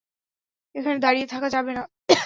এখানে দাঁড়িয়ে থাকা যাবে না!